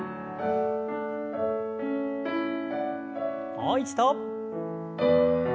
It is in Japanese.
もう一度。